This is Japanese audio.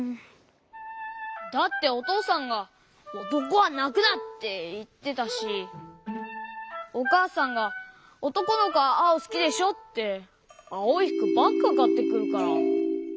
だっておとうさんが「おとこはなくな！」っていってたしおかあさんが「おとこのこはあおすきでしょ」ってあおいふくばっかかってくるから。